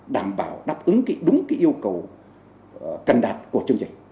đảm bảo đáp ứng cái đúng cái yêu cầu cần đạt của chương trình